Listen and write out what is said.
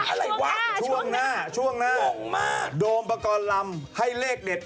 อะไรวะช่วงหน้าช่วงหน้าโดมปกรณ์ลำให้เลขเด็ด